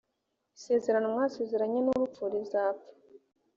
isezerano mwasezeranye n’urupfu rizapfa